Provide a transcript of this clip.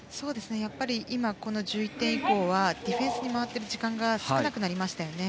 やはり、１１点以降はディフェンスに回っている時間が少なくなりましたね。